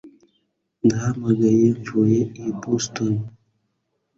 Ndahamagaye mvuye i Boston